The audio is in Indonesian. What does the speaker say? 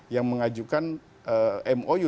yang mengajukan mou